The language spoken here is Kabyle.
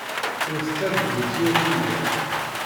Ur tettargumt yir tirga.